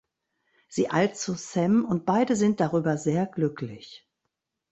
Sie eilt zu Sam und beide sind darüber sehr glücklich.